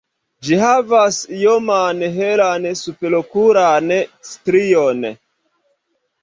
Ĝi havas ioman helan superokulan strion.